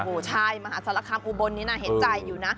โอ้โหใช่มหาศาลคามอุบลนี้น่าเห็นใจอยู่นะ